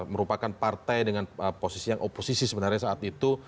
merupakan partai dengan posisi yang oposisi sebenarnya saat itu